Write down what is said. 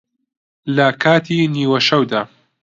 لە کاتی نیوەشەوا